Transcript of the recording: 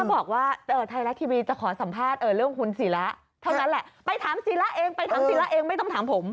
ไปถามศิระเองไปถามศิระเองไม่ต้องถามผม